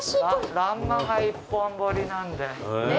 欄間が一本彫りなんで。